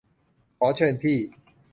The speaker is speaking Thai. ขอเชิญพี่